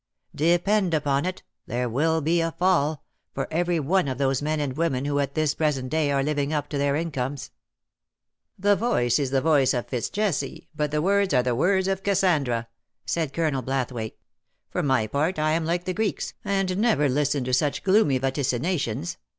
Depend upon it, there will be a fall, for every one of those men and women who at this present day are living up to their incomes.^' VOL. III. o 194 ^'HIS LADY smiles; " The voice is the voice of Fitz Jesse, but the words are the words of Cassandra/'' said Colonel Blathwayt. " For my part^ I am like the Greeks, and never listen to such gloomy vaticinations.